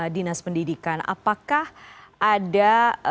dinas pendidikan apakah ada